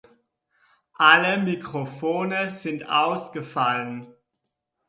Alle Mikrophone sind ausgefallen.